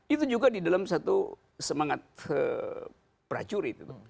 itu juga di dalam satu semangat prajurit